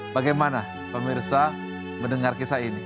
bagaimana pemirsa mendengar kisah ini